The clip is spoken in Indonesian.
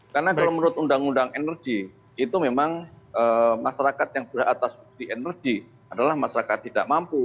karena kalau menurut undang undang energi itu memang masyarakat yang berat atas subsidi energi adalah masyarakat tidak mampu